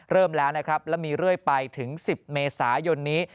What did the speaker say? เริ่มแล้วนะครับและมีเรื่อยไปถึง๑๐เมษายนนี้